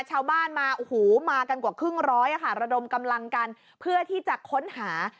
ชาวบ้านมาโอ้โหมากันกว่าครึ่งร้อยค่ะระดมกำลังกันเพื่อที่จะค้นหา